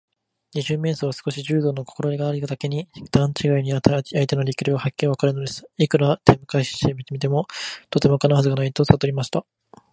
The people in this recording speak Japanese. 二十面相は少し柔道のこころえがあるだけに、段ちがいの相手の力量がはっきりわかるのです。いくら手むかいしてみても、とてもかなうはずはないとさとりました。